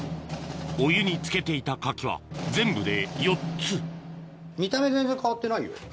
お湯につけていた柿は全部で４つ見た目全然変わってないよ。